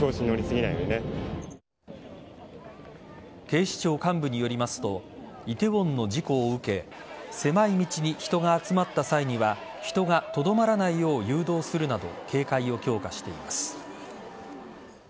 警視庁幹部によりますと梨泰院の事故を受け狭い道に人が集まった際には人がとどまらないよう誘導するなど警戒を強化しています。